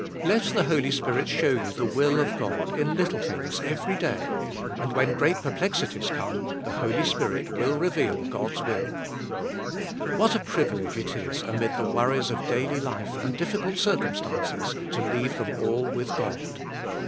Let the Holy Spirit show you the will of God in little THE I.IFE; OF RKST. 237 things every day, and when great perplexities come the Holy Spirit will reveal God's will. What a privilege it is amid the worries of daily life and dif ficult circumstances to leave them all with God.